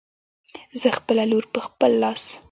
زه خپله لور په خپل لاس